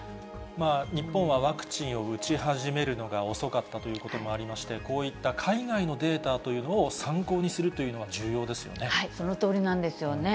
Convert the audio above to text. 日本はワクチンを打ち始めるのが遅かったということもありまして、こういった海外のデータというのを参考にするというのは、重要でそのとおりなんですよね。